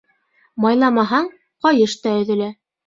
Майламаһаң, ҡайыш та өҙөлә.